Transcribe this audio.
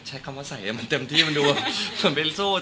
ใช้คำว่าใส่ให้มันเต็มที่มันดูเหมือนเป็นสู้